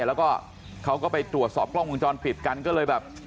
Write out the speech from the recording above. แล้วก็เขาก็ไปตรวจสอบกล้องวงจรปิดกันก็เลยแบบ